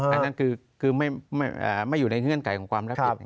อันนั้นคือไม่อยู่ในเงื่อนไขของความรับผิด